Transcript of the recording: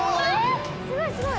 ・すごいすごい！